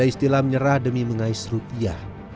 istilah menyerah demi mengais rupiah